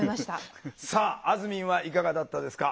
さああずみんはいかがだったですか？